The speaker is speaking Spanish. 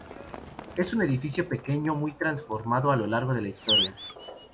Es un edificio pequeño, muy transformado a lo largo de la historia.